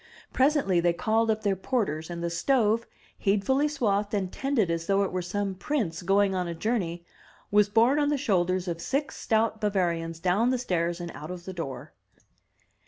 Pres ently they called up their porters, and the stove, heedfully swathed and tended as though it were some prince going on a journey, was borne on the shoulders of six stout Bavarians down the stairs and out of the door.